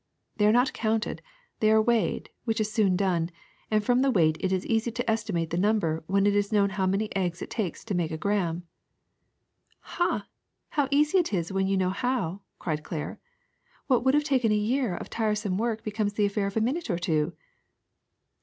''They are not counted; they are weighed, which is soon done ; and from the weight it is easy to esti mate the number when it is know^n how many eggs it takes to make a gram." ''Ha! how easy it is when you know how!" cried Claire. "What would have taken a year of tiresome work becomes the affair of a minute or two."